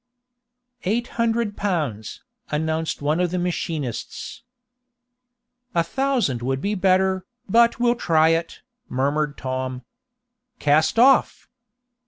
"Eight hundred pounds," announced one of the machinists. "A thousand would be better, but we'll try it," murmured Tom. "Cast off!"